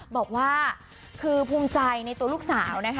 บอกว่าคือภูมิใจในตัวลูกสาวนะคะ